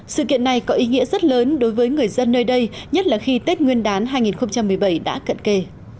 sự kiện này có ý nghĩa rất lớn đối với người dân nơi đây nhất là khi tết nguyên đán hai nghìn một mươi bảy đã cận kề